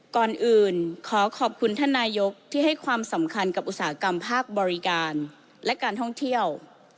ก่อนอื่นขอขอบคุณท่านนายกที่ให้ความสำคัญกับอุตสาหกรรมภาคบริการและการท่องเที่ยว